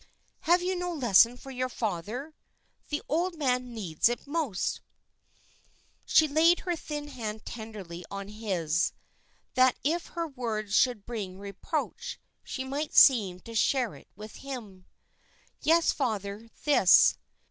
"Have you no lesson for your father? The old man needs it most." She laid her thin hand tenderly on his, that if her words should bring reproach, she might seem to share it with him. "Yes, father, this.